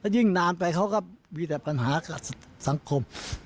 ยิ่งนานไปเขาก็มีแต่ปัญหากับสังคม